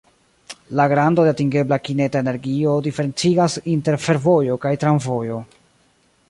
La grando de atingebla kineta energio diferencigas inter fervojo kaj tramvojo.